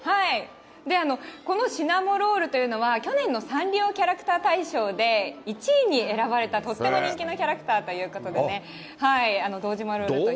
このシナモロールというのは、去年のサンリオキャラクター大賞で１位に選ばれたとっても人気のキャラクターということでね、堂島ロールにして。